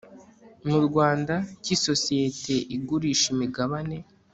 mu Rwanda cy isosiyete igurisha imigabane